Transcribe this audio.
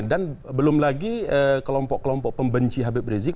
dan belum lagi kelompok kelompok pembenci habib rizik